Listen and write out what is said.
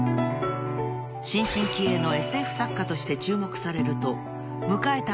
［新進気鋭のＳＦ作家として注目されると迎えた］